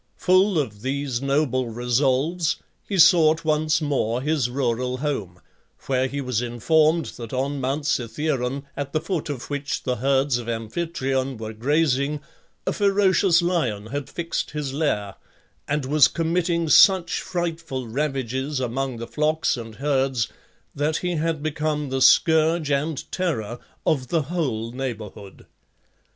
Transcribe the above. Full of these noble resolves he sought once more his rural home, where he was informed that on Mount Cithæron, at the foot of which the herds of Amphitryon were grazing, a ferocious lion had fixed his lair, and was committing such frightful ravages among the flocks and herds that he had become the scourge and terror of the whole neighbourhood.